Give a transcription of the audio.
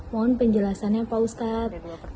mohon penjelasannya pak ustadz